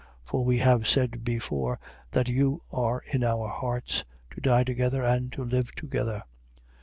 For we have said before that you are in our hearts: to die together and to live together.